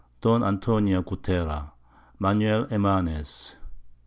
Don Antonio Guttera, Manuel Hemanes.